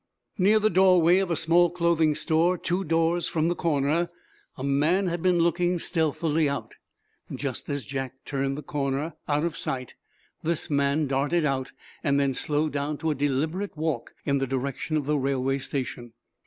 Near the doorway of a small clothing store, two doors from the corner, a man had been looking stealthily out. Just as Jack turned the corner, out of sight, this man darted out, then slowed down to a deliberate walk in the direction of the railway station.